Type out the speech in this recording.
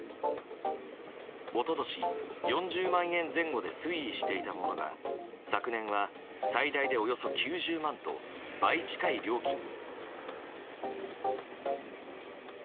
一昨年４０万円前後で推移していたものが昨年は最大でおよそ９０万と倍近い料金に。